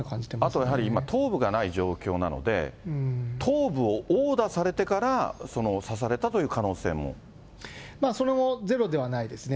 あとやはり、今、頭部がない状況なので、頭部を殴打されてから、その刺されたという可能性もそれもゼロではないですね。